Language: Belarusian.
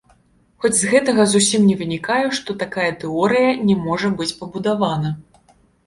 Хоць з гэтага зусім не вынікае, што такая тэорыя не можа быць пабудавана.